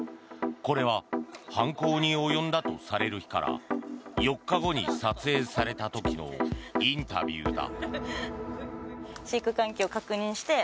これは犯行に及んだとされる日から４日後に撮影された時のインタビューだ。